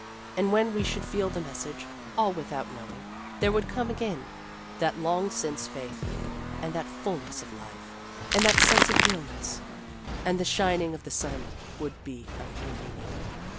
"And when we should feel the message, all without knowing, there would come again that long since faith, and that fullness of life, and that sense of realness, and the shining of the sun would be of new meaning.